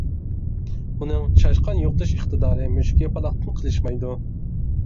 ئۇنىڭ چاشقان يوقىتىش ئىقتىدارى مۈشۈكياپىلاقتىن قېلىشمايدۇ.